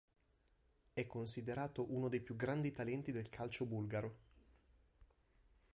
È considerato uno dei più grandi talenti del calcio bulgaro.